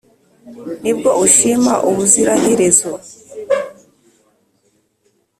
nibwo uzishima ubuziraherezo